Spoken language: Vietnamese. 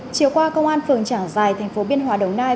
chiều qua công an phường trảng giài thành phố biên hòa đồng nai